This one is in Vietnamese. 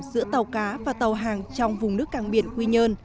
giữa tàu cá và tàu hàng trong vùng nước cảng biển quy nhơn